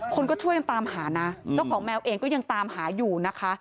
คนก็ช่วยกันตามหานะเจ้าของแมวเองก็ยังตามหาอยู่นะคะ